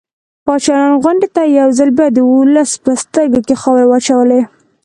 پاچا نن غونډې ته يو ځل بيا د ولس په سترګو کې خاورې واچولې.